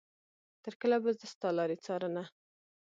تر کله به زه ستا لارې څارنه.